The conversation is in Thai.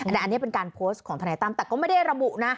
อันนี้เป็นการโพสต์ของทนายตั้มแต่ก็ไม่ได้ระบุนะ